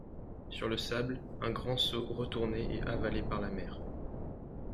Sur le sable, un grand seau retourné est avalé par la mer.